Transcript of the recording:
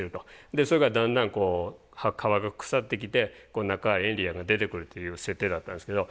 それがだんだんこう皮が腐ってきてこの中エイリアンが出てくるっていう設定だったんですけど。